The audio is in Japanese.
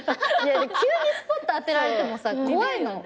急にスポット当てられてもさ怖いの。